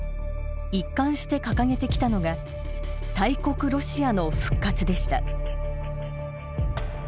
一貫して掲げてきたのが大国ロシアの復活でした。